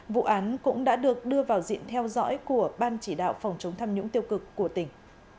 vụ án cũng đã được đưa vào diện theo dõi của ban chỉ đạo phòng chống tham nhũng tiêu cực của tỉnh